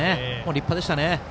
立派でしたね。